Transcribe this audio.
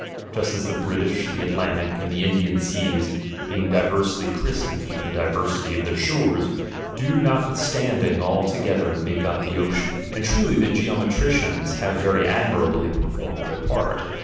Just as the British, the Atlantic, and the Indian seas, being diversely christened from the diversity of their shores, do notwithstanding all together make up the ocean. And truly the geometricians have very admirably performed their part.